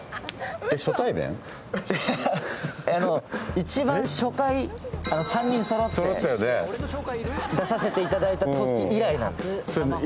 一番初回、３人そろって出させていただいたとき以来なんです。